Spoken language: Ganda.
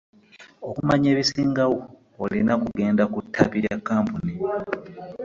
Okumanya ebisingawo olina kugenda kuttabi lya kampuni.